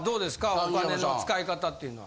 お金の使い方っていうのは。